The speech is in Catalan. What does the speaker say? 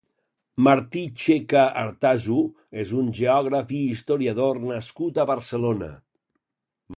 Martí Checa Artasu és un geògraf i historiador nascut a Barcelona.